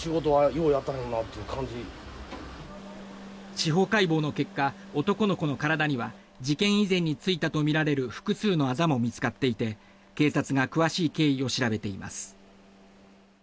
司法解剖の結果男の子の体には事件以前についたとみられる複数のあざも見つかっていて警察が詳しい経緯を調べています。